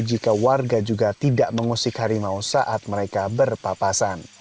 jika warga juga tidak mengusik harimau saat mereka berpapasan